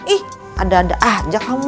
ih ada ada aja kamu